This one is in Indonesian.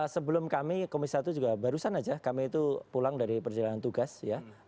sebelum kami komisi satu juga barusan saja kami itu pulang dari perjalanan tugas ya